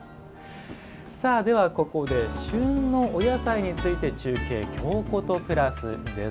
ここで、旬のお野菜について中継「京コトプラス」です。